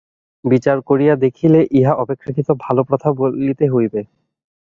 বিচার করিয়া দেখিলে ইহা অপেক্ষাকৃত ভাল প্রথা বলিতে হইবে।